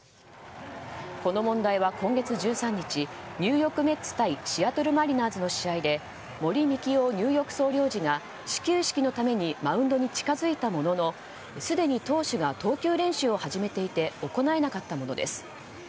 この問題は今月１３日ニューヨーク・メッツ対シアトル・マリナーズの試合で森美樹夫ニューヨーク総領事が始球式のためにマウンドに近づいたもののすでに投手が投球練習を始めていて行えなかったものです。